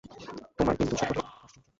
তোমার কিন্তু সকলই আশ্চর্য।